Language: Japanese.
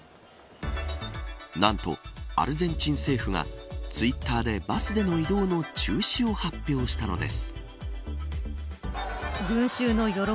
なんとアルゼンチン政府がツイッターでバスでの移動の中止を発表したのです。